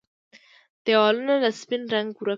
ديوالونو له سپين رنګ ورکړه